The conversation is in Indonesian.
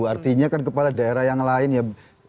artinya kan kepala daerah yang lain ya